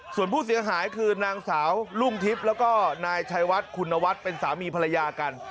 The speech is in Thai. ส่วนผู้เสียหายคือนางสาวรุ่งทิพย์แล้วก็นายชัยวัดคุณวัฒน์เป็นสามีภรรยากัน